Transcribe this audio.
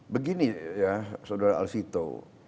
begini ya saudara al sito